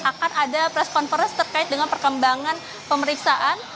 akan ada press conference terkait dengan perkembangan pemeriksaan